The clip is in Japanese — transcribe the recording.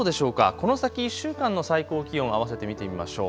この先１週間の最高気温あわせて見てみましょう。